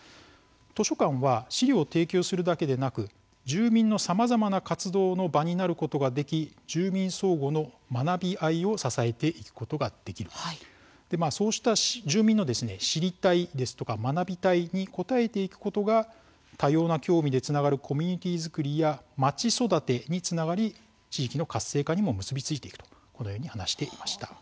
図書館は資料を提供するだけでなく住民のさまざまな活動の場になることができ住民相互の学び合いを支えていくことができるそうした住民の知りたいですとか学びたいに応えていくことが多様な興味でつながるコミュニティー作りやまち育てにつながり地域の活性化にも結び付いていくと話していました。